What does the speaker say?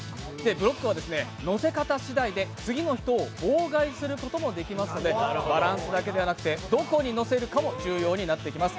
ブロックは載せ方次第で、次の人を妨害することもできますのでバランスだけではなくて、どこに載せるかも重要になってきます。